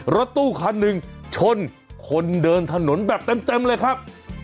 รถตู้คันหนึ่งชนคนเดินถนนแบบเต็มเลยครับ